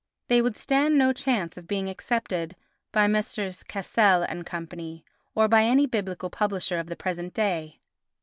They would stand no chance of being accepted by Messrs. Cassell and Co. or by any biblical publisher of the present day.